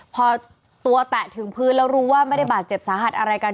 พอตัวแตะถึงพื้นแล้วรู้ว่าไม่ได้บาดเจ็บสาหัสอะไรกัน